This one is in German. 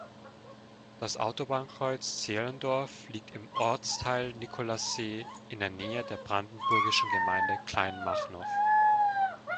Das Autobahnkreuz Zehlendorf liegt im Ortsteil Nikolassee in der Nähe der brandenburgischen Gemeinde Kleinmachnow.